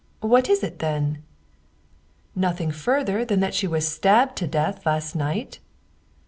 What is it, then ?"" Nothing further than that she was stabbed to death last night."